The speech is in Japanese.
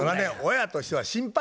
親としては心配。